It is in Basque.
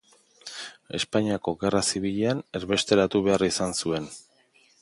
Espainiako Gerra Zibilean erbesteratu behar izan zuen.